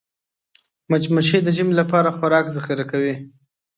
مچمچۍ د ژمي لپاره خوراک ذخیره کوي